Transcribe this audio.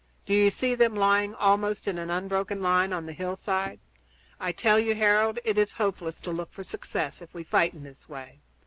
Do you see them lying almost in an unbroken line on the hillside? I tell you, Harold, it is hopeless to look for success if we fight in this way.